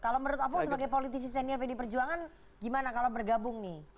kalau menurut apung sebagai politisi senior pd perjuangan gimana kalau bergabung nih